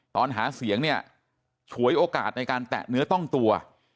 ตอนหาเสียงเนี่ยฉวยโอกาสในการแตะเนื้อต้องตัว